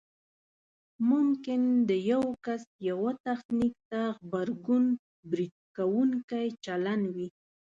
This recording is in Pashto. ممکن د یو کس یوه تخنیک ته غبرګون برید کوونکی چلند وي